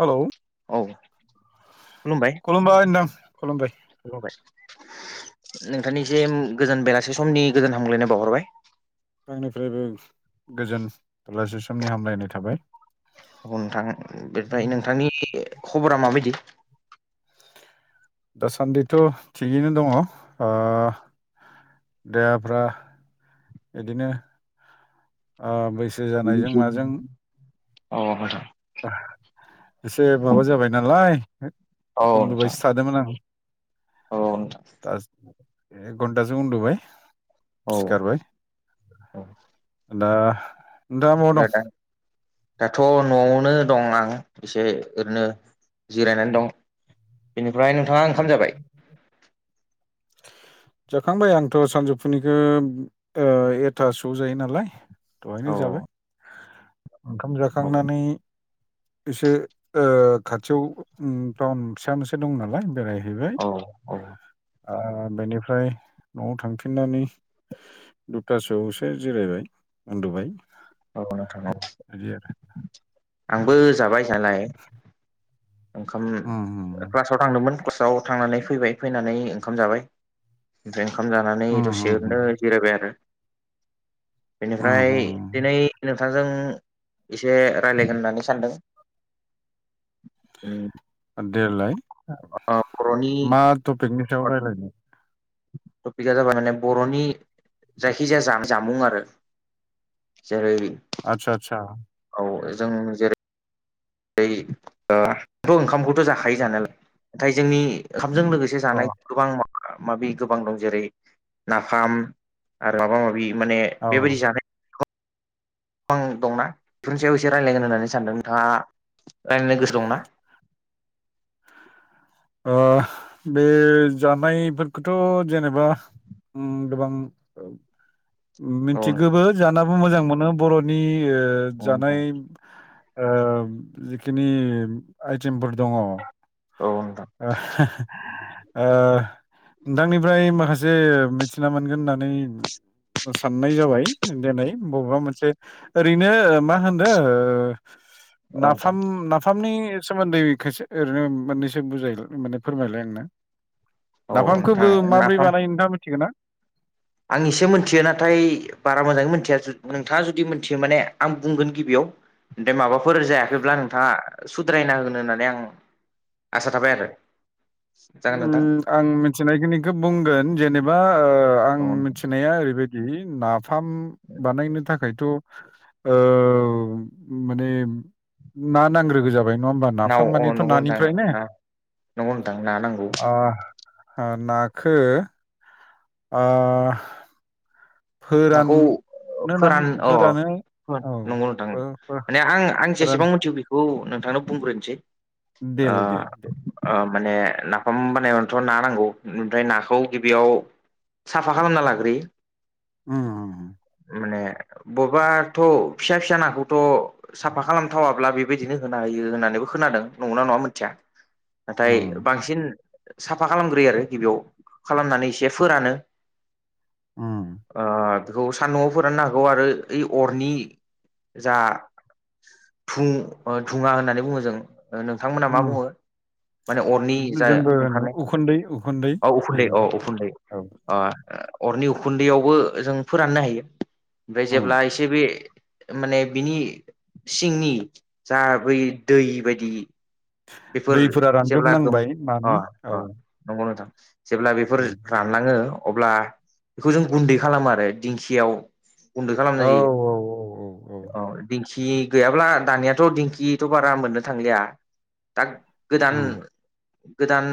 हेल' औ खुलुमबाय नोंथां खुलुमबाय नोंथांनिसिम गोजोन बेलासे समनि गोजोन हामग्लायनाय बावहरबाय। आंनिफ्रायबो गोजोन थलासे समनि हामलायनाय थाबाय। नोंथां बेनिफ्राय नोंथांनि खबरा माबायदि? दासान्दिथ' थिगैनो दङ ओ देहाफ्रा इदिनो ओ बैस अ एसे माबा जाबाय नालाय उन्दुबायसो थादोंमोन आं। अ नोंथां। एक घन्टासो उन्दुबाय। औ सिखारबाय औ दा नोंथाङा बहा दं? दाथ' न'आवनो दं आं एसे ओरैनो जिरायनानै दं। बेनिफ्राय नोंथाङा ओंखाम जाबाय [inaudible] जाखांबाय आंथ' सानजौफुनिखो ओ एथासोआव जायो नालाय। दहायनो औ जाबाय ओंखाम औ जाखांनानै एसे ओ खाथियाव उ टाउन फिसा मोनसे दं नालाय बेराय हैबाय औ औ ओ बेनिफ्राय न'आव थांफिननानै दुथासोआवसो जिरायबाय उन्दुबाय। बिदि आरो आंबो जाबाय जानाय। [unintelligible] ओंखाम उम उम क्लासाव थांदोंमोन क्लासाव थांनानै फैबाय फैनानै ओंखाम जाबाय। ओमफ्राय ओंखाम जानानै उम दसे उम उम ओरैनो जिरायबाय आरो। बेनिफ्राय उम उम दिनै नोंथांजों एसे रायलायगोन होननानै सानदों। उ देलाय बर'नि मा टपिकनि सायाव रायलायनो? टपिका जाबाय माने बर'नि जायखिजाया जा-जामुं आरो। जेरै आतसा आतसा। औ जों जेरै बै ओ थ' ओंखामखौथ' जाखायो जानायालाय नाथाय जोंनि ओंखामजों लोगोसे अ जानाय गोबां माबा माबि गोबां दं जेरै नाफाम आरो माबा माबि माने औ बेबायदि जानाय गोबां दंना थुनसेयाव एसे रायलायगोन होननानै सानदों नोंथाङा रायलायनो गोसो दंना? ओ बे जानायफोरखौथ' जेनेबा उम गोबां औ मिनथिगोबो जानाबो मोजां मोनो बर'नि ओ नोंथां जानाय ओ जिखिनि आइटेमफोर दङ औ नोंथां। ओ नोंथांनिफ्राय माखासे से मिथिना मोनगोन होननानै साननाय जाबाय दिनै बबेबा मोनसे ओरैनो मा होनो ओ औ नोंथां नाफाम नाफामनि सोमोन्दै खेसे ओरैनो मोननैसो बुजाय माने फोरमायलाय आंनो। औ नोंथां औ नोंथां नाफामखौबो माबोरै नाफाम बानायो नोंथाङा मिथिगौ ना? आं एसे मोनथियो नाथाय बारा मोजाङै मोनथिया जु नोंथाङा जुदि मोनथियो माने आं बुंगोन गिबियाव दे माबाफोर जायाखैब्ला नोंथाङा सुद्रायना होगोन होननानै आं आसा थाबाय आरो जागोन नोंथां। उम आं मिथिनायखिनिखौ बुंगोन जेनेबा ओ आं औ मिथिनाया ओरैबायदि नाफ फाम बानायनो थाखायथ' ओ माने ना नांग्रोगो जाबाय नङा होमबा? नाव नाफाम अ मानेथ' नंगौ नोंथां नानिफ्राय नो। ना नंगौ नोंथां ना नांगौ। आ नखौ ओ फोरान नाखौ फोरान अ फोरान औ नंगौ नोंथां फो फो माने आं आं फोरान जेसेबां मिथि बेखौ नोंथांनो बुंग्रोनोसै देलाय दे दे ओ माने नाफाम बानायबाथ' ना नांगौ ओमफ्राय नाखौ गिबियाव साफा खालामना लाग्रोयो उम माने बबाथ' फिसा फिसा नाखौथ' साफा खालामथावाब्ला बेबायदिनो होना होयो होननानैबो खोनादों नंगौना नङा मिथिया। नाथाय उम बांसिन साफा खालामग्रोयो आरो गिबियाव खालामनानै एसे फोरानो उम ओ बेखौ सान्दुंआव फोराननो हागौ आरो ओइ अरनि जा धु-धुङा होननानै बुङो जों नोंथांमोना मा उम बुङो माने अरनि उम जा जोंबो होनो ओंखारनाय उखुन्दै उखुन्दै औ उखुन्दै औ जेनेबा उखुन्दै औ अ अरनि उखुन्दैयावबो जों फोराननो हायो ओमफ्राय उम जेब्ला एसे बे माने बिनि सिंनि जा बै दै बायदि बेफोर दैफोरा जेब्ला गो रानजोबनांबाय अ नानि औ अ नंगौ नोंथां जेब्ला बेफोर उम रा लाङो अब्ला बेखौ जों गुन्दै खालामो आरो दिंखियाव गुन्दै औ खालामनाय जायो। औ औ अ दिंखि गैयाब्ला दानियाथ' दिंखिथ' बारा मोननो थांलिया दा गोदान उम गोदान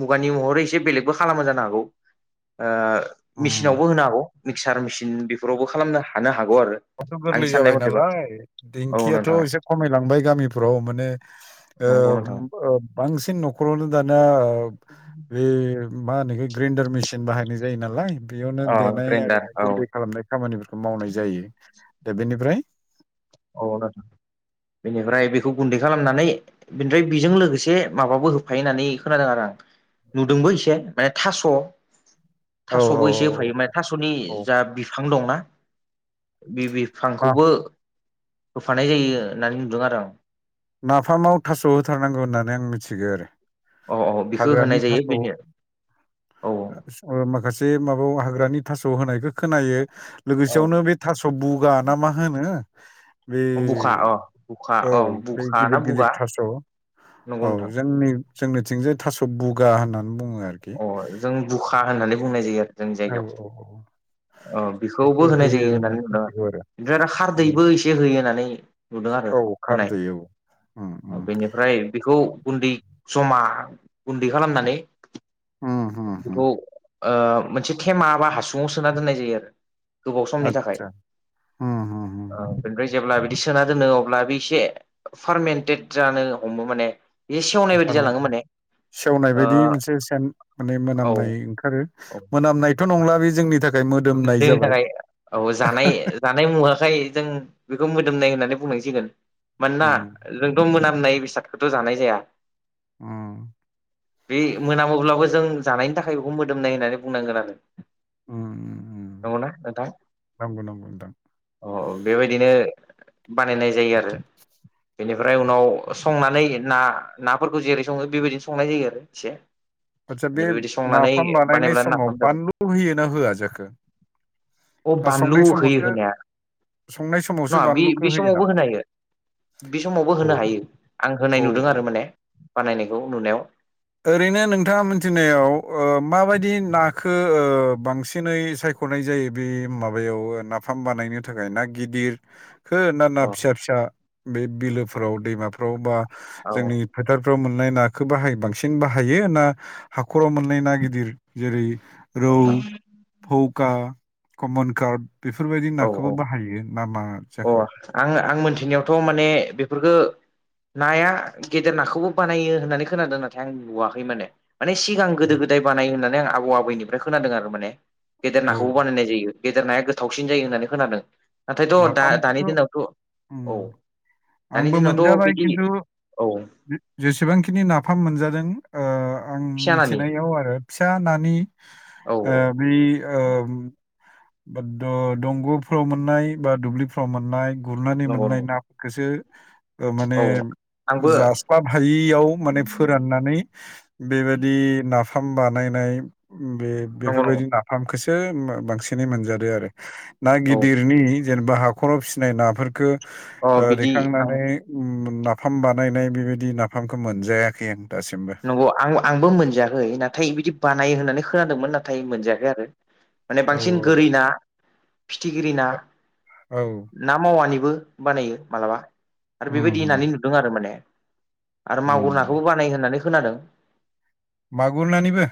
मुगानि महरै एसे बेलेगबो खालामो जानो हागौ ओ उम मेसिनावबो होनो हागौ मिक्सार मेसिन बेफोरावबो खालामनो हानो हागौ आरो। आथ' आंनि गोरलै साननाय जाबाय मथेबा नालाय औ दिंखियाथ' नोंथां एसे खमायलांबाय गामिफोराव माने ओ नंगौ नोंथां ओ बांसिन न'खरावनो दाना ओ बे मा होनो एखो ग्रेन्डार मेसिन बाहायनाय जायो नालाय। बेयावनो अ देनाय ग्रेन्डार आरिनाय औ गुन्दै खालामनाय खामानिफोरखौ मावनाय जायो दा बेनिफ्राय औ नोंथां बेनिफ्राय बेखौ गुन्दै खालामनानै बेनिफ्राय बेजों लोगोसे माबाबो होफायो होननानै खोनादों आरो आं नुदोंबो एसे माने थास' औ औ थास'बो एसे होफायो माने थास'नि औ जा बिफां दंना बे बे ना बिफांखौबो होफानाय जायो होननानै नुदों आरो आं। नाफामाव थास' होथारनांगौ होननानै आं मिथिगो आरो। औ औ बिखौ हाग्रानि होनाय जायो थास' ओ बेनो औ माखासे माबायाव हाग्रानि थास' होनायखो खोनायो औ लोगोसेयावनो बे थास' बुगा ना मा होनो अ बुखा बे अ बुखा औ अ बे बुखा ना गिदिर गिदिर बुगा थास औ नंगौ नोंथां जोंनि जोंनिथिंजाय थास' बुगा होननानै बुङो आरो। अ जों बुखा होननानै बुंनाय जायो आरो जोंनि औ जायगायाव औ औ अ बेखौबो बेखौ होनाय होयो जायो होननानै बुंदों मिथिगौ ओमफ्राय आरो उम। खारदैबो एसे होयो होननानै नुदों आरो औ होनाय खारदै औ उम उम बेनिफ्राय बेखौ गुन्दै जमा गुन्दै खालामनानै उम उम उम बेखौ ओ मोनसे थेमा बा हासुङाव सोना दोननाय जायो आरो। गोबाव समनि थाखाय आतसा उम उम ओं बेनिफ्राय जेब्ला बिदि सोना दोनो अब्ला बे एसे फारमन्टेद जानो हमो माने बे सेवनाय बायदि जालाङो [unintelligible] माने सेवनाय ओ बायदि मोनसे सेन माने औ मोनामनाय ओंखारो। औ मोनामनायथ' नंला बे जोंनि थाख जोंनि थाखाय औ जानाय जा नाय मुवाखाय जों बेखौ मोदोमनाय होननानै बुंनांसिगोन। मानोना उम जोंथ' मोनामनाय बेसादखौथ' जानाय जाया उम बे मोनामोब्लाबो जों जानायनि थाखाय बेखौ मोदोमनाय होननानै बुंनांगोन आरो। उम नंगौना नोंथां? नंगौ नंगौ नोंथां अ बेबायदिनो बानायनाय जायो आरो। बेनिफ्राय उनाव संनानै ना नाफोरखौ जेरै सङो बेबायदिनो संनाय जायो आरो एसे। आतसा बे बेबायदि संनानै नाफाम बानायनाय बानायब्ला समाव नाफाम जाबाय बानलु होयोना होआ जाखो? अ ना बानलु संनाय होयो समावसो होनाया संनाय समावसो नङा बे बानलुखौ बे होयो समावबो नामा होनो हायो। बे समावबो औ होनो हायो आं औ होनाय नुदों औ आरो माने बानायनायखौ नुनायाव। ओरैनो नोंथाङा मिथिनायाव ओ-माबायदि नाखौ ओ-बांसिनै सायख' नाय जायो बे माबायाव नाफाम बानायनो थाखाय ना गिदिर। खो ना अ फिसा फिसा बे बिलोफोराव दैमाफ्राव बा औ जोंनि। नोंथां फोथारफ्राव मोननाय नाखौ बाहायो बांसिन? बाहायो ना हाख'राव मोननाय ना गिदिर जेरै रौ। फौका कमन कार्ड बेफोरबायदि नाखौबो औ बाहायो नामा औ जाखो? अ आं आं मोन्थिनायावथ' माने बेफोरखो। नाया गेदेर नाखौबो बानायो होननानै खोनादों नाथाय आं नुवाखै माने। माने सिगां गोदो गोदाय बानाय होननानै आं आबौ आबैनिफ्राय खोनादों आरो माने गेदेर औ नाखौबो बानायनाय जायो। गेदेर नाया गोथावसिन जायो होननानै खोनादों नाथायथ' दा नाफामखौथ' दानि दिनावथ' औ। उम दानि आंबो दिनावथ' मोनजाबाय बिदि खिन्थु औ जेसेबांखिनि नाफाम मोनजादों। ओ-आं फिसा नानि मिथिनायाव आरो फिसा नानि औ औ ओ-बै। ओ [unintelligible] दंग'फ्राव मोननाय बा दुब्लिफ्राव मोननाय गुरनानै नंगौ मोननाय नंगौ ना खोसो ओ-माने औ आंबो जा बा हायियाव माने फोराननानै बेबायदि नाफाम बानायनाय बे नंगौ नंगौ बेफोरबायदि नाफामखोसो बांसिनै मोनजादो आरो ना औ गिदिरनि। जेनेबा हाखराव फिसिनाय नाफोरफोरखौ अ बिदि आं ओ-दैखांनानै नाफाम बानायनाय बेबायदि नाफामखौ मोनजायाखै आं दासिमबो। अ आं आंबो मोनजायाखै नाथाय बिदि बानायो होननानै खोनादोंमोन नाथाय मोनजाखै आरो। माने औ बांसिन गोरि ना फिथिगिरि ना। औ ना मावानिबो बानायो मालाबा आरो उम बेबायदि उम होननानै नुदों आरो माने। आरो उम मागुर नाखौबो बानायो होननानै खोनादों मागुर नानिबो?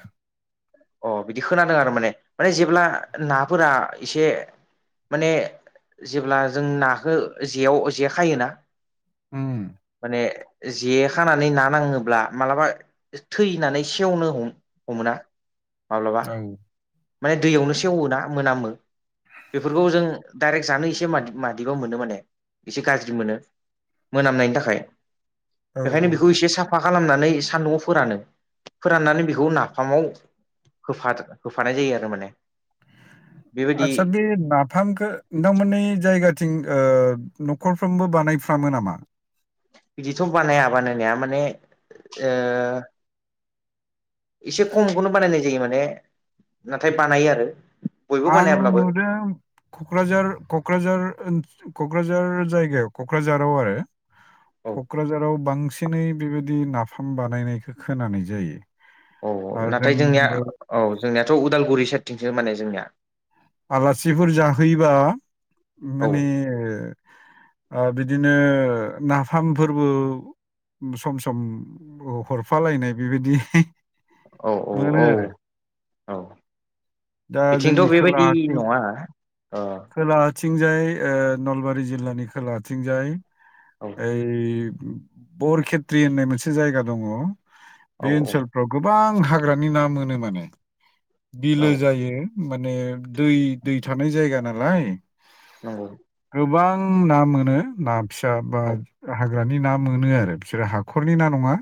अ बिदि खोनादों आरो माने माने जेब्ला नाफोरा एसे माने जेब्ला जों नाखौ जेयाव जे खायोना। उम माने जे खानानै ना नाङोब्ला माब्लाबा थैनानै सेवनो हमोना माब्लाबा। औ माने दैयावनो सेवोना मोनामो। बेफोरखौ जों डाइरेक्ट जानो एसे मादि-मादिबा मोनो माने एसे गाज्रि मोनो। मोनामनायनि थाखाय औ बेखायनो बेखौ औ एसे साफा खालामना। नै सानदुंआव फोरानो फोराननानै बेखौ नाफामाव होफा होफानाय जायो आरो माने। बेबायदि आतसा बे ना फामखौ नोंथांमोननि जायगाथिं न'खरफ्रोमबो बानायफ्रामो नामा? बिदिथ' बानाया बानायनाया माने ओ एसे खमखौनो बानायनाय जायो माने नाथाय बानायो आरो बयबो आं बानायाब्लाबो नुदों कक्राझार कक्राझार कक्राझार ओन जायगायाव क'क्राझाराव आरो औ क'क्राझाराव बांसिनै बेबायदि नाफाम बानायनायखौ खोनानाय जायो। औ आरो नाथाय जोंनिया जोंबो औ जोंनियाथ' उदालगुरि साइडथिंसो माने जोंनिया। आलासिफोर जाहैबा औ माने ओ बिदिनो नाफामफोरबो सम सम हरफालायनाय बेबायदि औ औ मोनो औ आरो औ दा बिथिंथ' जोंनि बेबायदि नङा ओ खोलाआथिंजाय ओ नलबारि जिल्लानि खोला आथिंजाय औ ओइ बरखेत्रि होननाय मोनसे जायगा दङ। औ बे औ ओनसोलफ्राव गोबां हाग्रानि ना मोनो माने बिलो औ जायो। माने दै दै थानाय जायगा नालाय। नंगौ। गोबां ना मोनो ना फिसा बा औ गाहा बिरानि ना मोनो आरो बिसोरो हाखरनि ना नङा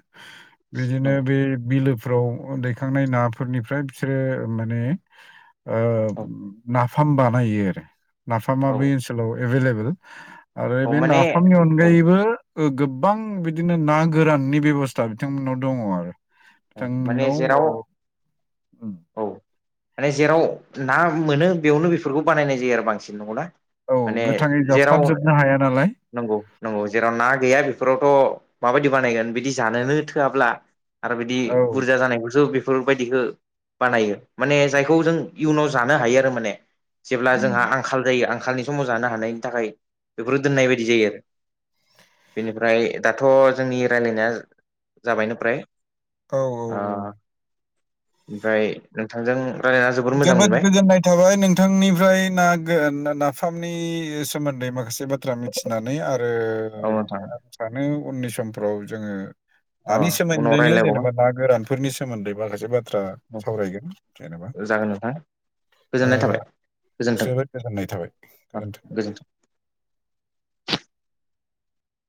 बिदिनो नंगौ बे बिलो फोराव दैखांनाय नाफोरनिफ्राय बिसोरो माने ओ औ ना फाम बानायो आरो नाफामा औ बै ओनसोलाव एभेलेबेल। आरो औ बे माने नाफामनि औ अनगायैबो गोबां बिदिनो ना गोराननि बेब'स्था बिथांमोननाव दङ आरो। औ माने बिथांनाव जेराव औ औ माने जेराव ना मोनो बेयावनो बेफोरखौ बानायनाय जायो आरो बांसिन नंगौ ना? औ माने गोथाङै जेराव जास्लाबजोबनो हाया नालाय नंगौ नंगौ जेराव ना गैया बेफोरावथ' माबायदि बानायगोन बिदि जानोनो थोआब्ला बि औ बुरजा जानायखौसो बे बेफोरबायदिखो बानायो माने जायखौ जों इयुनाव जानो हायो आरो माने। जेब्ला उम। जोंहा आंखाल जायो आंखालनि समाव जानो हानायनि थाखाय बेफोरो दोननाय बायदि जायो आरो। बेनिफ्राय दाथ' जोंनि राय्लायनाया जाबायनो फ्राय। औ ओ औ ओमफ्राय नोंथांजों रायलायना जोबोर मोजां जोबोद मोनबाय गोजोननाय थाबाय नोंथांनिफ्राय ना नाफामनि सोमोन्दै माखासे बाथ बाथ्रा मिथिनानै आरो औ नोंथां आं सानो उननि समफ्राव जोङो अ नानि उनाव सोमोन्दैनो रायज्लायबावगोन जेनेबा ना गोरानफोरनि सोमोन्दै माखासे बाथ्रा सावरायगोन जेनेबा। जागोन नोंथां। ओ गोजोननाय थाबाय गोजोन्थों जोबोद गोजोननाय थाबाय अ गोजोनथों। गोजोन्थों